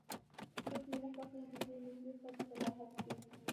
هیڅ مې نه خوښیږي، زوی مې کیښود په لحد کې